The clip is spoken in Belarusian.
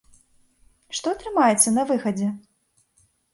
Што атрымаецца на выхадзе?